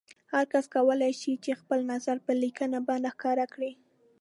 هر کس کولای شي چې خپل نظر په لیکلي بڼه ښکاره کړي.